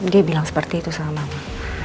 dia bilang seperti itu sama